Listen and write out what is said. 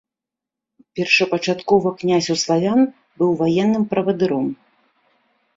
Першапачаткова князь у славян быў ваенным правадыром.